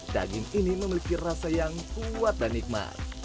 daging ini memiliki rasa yang kuat dan nikmat